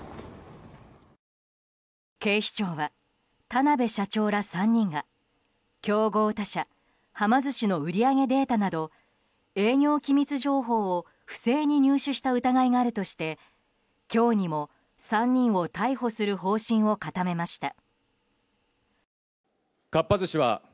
警視庁は田邊社長ら３人が競合他社はま寿司の売り上げデータなど営業機密情報を不正に入手した疑いがあるとして今日にも３人を逮捕する方針を固めました。